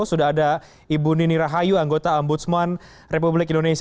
sudah ada ibu nini rahayu anggota ombudsman republik indonesia